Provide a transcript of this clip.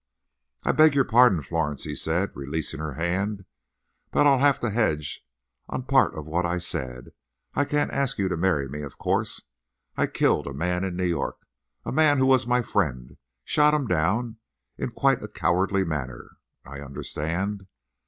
"I beg your pardon, Florence," he said, releasing her hand; "but I'll have to hedge on part of what I said. I can't ask you to marry me, of course. I killed a man in New York—a man who was my friend—shot him down—in quite a cowardly manner, I understand.